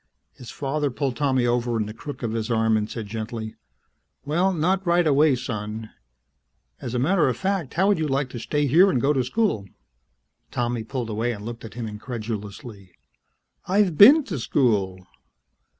His father pulled Tommy over in the crook of his arm and said gently, "Well, not right away, son. As a matter of fact, how would you like to stay here and go to school?" Tommy pulled away and looked at him incredulously. "I've been to school!"